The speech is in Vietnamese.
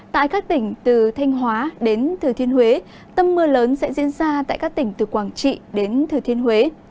tại các tỉnh từ thanh hóa đến thừa thiên huế tâm mưa lớn sẽ diễn ra tại các tỉnh từ quảng trị đến thừa thiên huế